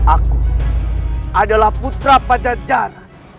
aku adalah putra pacar pacar